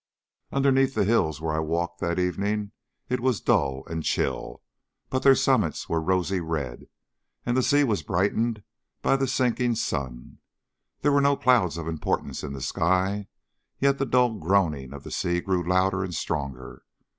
Underneath the hills where I walked that evening it was dull and chill, but their summits were rosy red, and the sea was brightened by the sinking sun. There were no clouds of importance in the sky, yet the dull groaning of the sea grew louder and stronger.